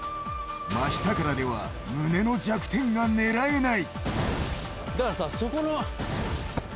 真下からでは胸の弱点が狙えない。